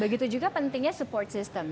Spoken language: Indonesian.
begitu juga pentingnya support system